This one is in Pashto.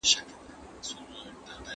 ښوونځې تللې مور د ماشوم معاینات نه هېروي.